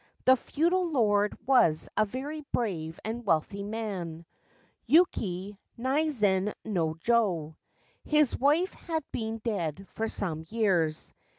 The feudal lord was a very brave and wealthy man, Yuki Naizen no jo. His wife had been dead for some years.